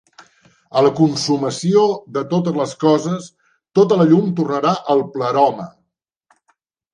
A la consumació de totes les coses tota la llum tornarà al Pleroma.